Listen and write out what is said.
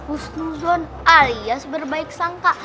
usnuzon alias berbaik sangka